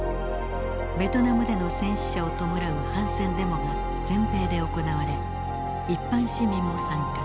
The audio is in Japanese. ベトナムでの戦死者を弔う反戦デモが全米で行われ一般市民も参加。